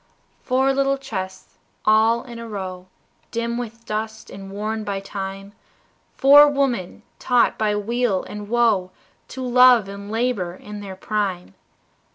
Four little chests all in a row, Dim with dust, and worn by time, Four women, taught by weal and woe To love and labor in their prime.